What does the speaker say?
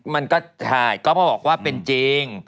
มันก็ค่ะก๊อปเขาบอกว่าเป็นจริง